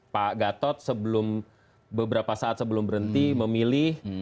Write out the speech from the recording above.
pak gatot sebelum beberapa saat sebelum berhenti memilih